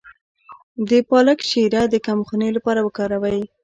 د پالک شیره د کمخونۍ لپاره وکاروئ